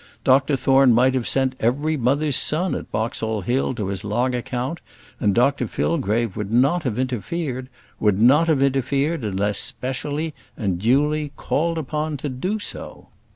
Dr Thorne might have sent every mother's son at Boxall Hill to his long account, and Dr Fillgrave would not have interfered; would not have interfered unless specially and duly called upon to do so.